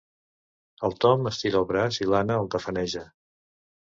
El Tom estira el braç i l'Anna el tafaneja.